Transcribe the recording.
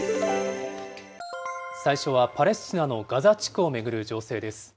最初はパレスチナのガザ地区を巡る情勢です。